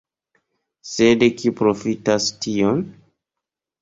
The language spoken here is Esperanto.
Sed kiu profitas tion?